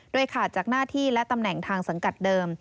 โดยขาดจากหน้าที่และตำแหน่งทางสังกัดเดิม